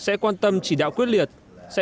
sẽ quan tâm chỉ đạo quyết liệt sẽ